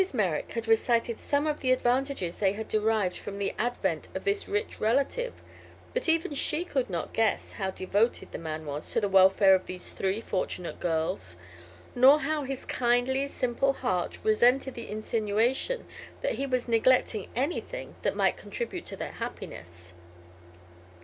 Merrick had recited some of the advantages they had derived from the advent of this rich relative; but even she could not guess how devoted the man was to the welfare of these three fortunate girls, nor how his kindly, simple heart resented the insinuation that he was neglecting anything that might contribute to their happiness.